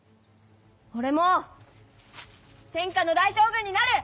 俺も天下の大将軍になる！